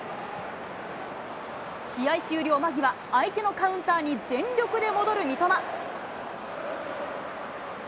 試合終了間際、相手のカウンターに全力で戻る三笘。